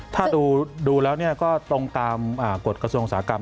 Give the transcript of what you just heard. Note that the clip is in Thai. ถ้าดูแล้วก็ตรงตามกฎกระทรวงอุตสาหกรรม